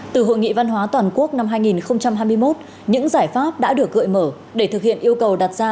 từ hội nghị văn hóa toàn quốc năm hai nghìn hai mươi một những giải pháp đã được gợi mở để thực hiện yêu cầu đặt ra